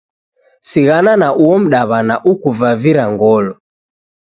Sighana na uo mdaw'ana ukuvavira ngolo